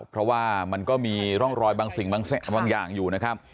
เพราะว่ามันก็มีร่องรอยบางสิ่งบางอย่างอยู่นะครับ